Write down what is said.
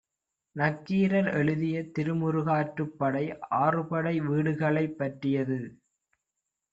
நக்கீரர் எழுதிய திருமுருகாற்றுப்படை ஆறுபடை வீடுகளைப் பற்றியது.